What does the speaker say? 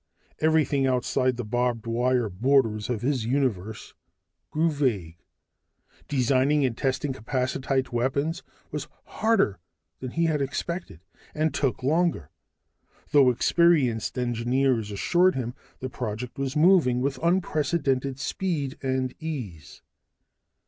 Everything outside the barbed wire borders of his universe grew vague. Designing and testing capacitite weapons was harder than he had expected, and took longer: though experienced engineers assured him the project was moving with unprecedented speed and ease.